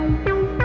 mau gak kau